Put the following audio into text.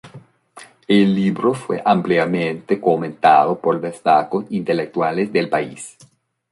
El libro fue ampliamente comentado por destacados intelectuales del país.